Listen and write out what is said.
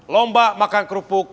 lomba makan kerupuk